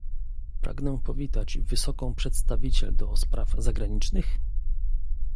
Pragnę powitać wysoką przedstawiciel do spraw zagranicznych?